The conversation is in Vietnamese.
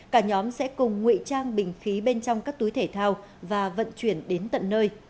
cả nhóm sẽ cùng ngụy trang bình khí bên trong các túi thể thao và vận chuyển đến tận nơi